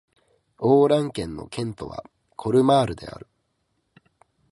オー＝ラン県の県都はコルマールである